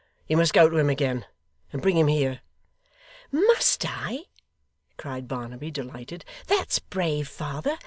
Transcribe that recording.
You must go to him again, and bring him here.' 'Must I!' cried Barnaby, delighted; 'that's brave, father.